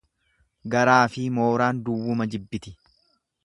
Garaafi mooraan duwwuma jibbiti.